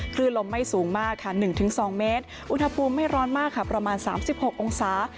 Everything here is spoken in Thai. คือลมไม่สูงมากค่ะหนึ่งถึงสองเมตรอุณหภูมิไม่ร้อนมากค่ะประมาณสามสิบหกองศา